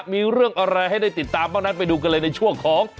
มีเรื่องอะไรให้ได้ติดตามบ้างนั้นไปดูกันเลยในช่วงของ